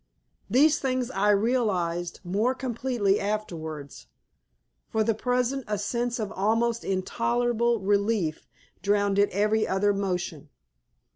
These things I realized more completely afterwards; for the present a sense of almost intolerable relief drowned every other motion.